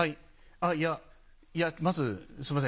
あっいやいやまずすいません